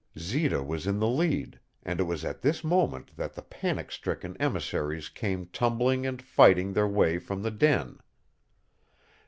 Zita was in the lead, and it was at this moment that the panic stricken emissaries came tumbling and fighting their way from the den.